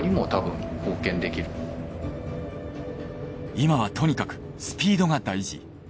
今はとにかくスピードが大事。